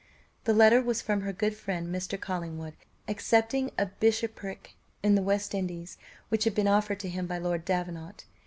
The letter was from her good friend Mr. Collingwood, accepting a bishopric in the West Indies, which had been offered to him by Lord Davenant.